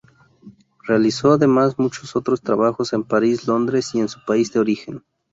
Realizó además muchos otros trabajos en París, Londres y en su país de origen.